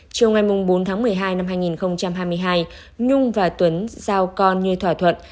chiều ngày bốn tháng một mươi hai năm hai nghìn hai mươi hai nhung và tuấn giao con như thỏa thuận